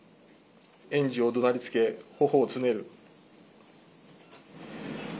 園児をどなりつけ、ほほをつねる。